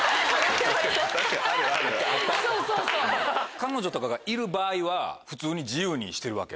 彼女とかがいる場合は普通に自由にしてるわけ？